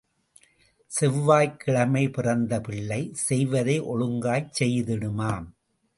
செவ்வாய்க் கிழமை பிறந்த பிள்ளை செய்வதை ஒழுங்காய்ச் செய்திடுமாம்.